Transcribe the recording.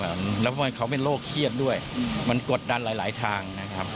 แล้วเพราะมันเขาเป็นโรคเครียดด้วยมันกดดันหลายทางนะครับ